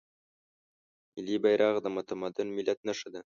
ملي بیرغ د متمدن ملت نښه ده.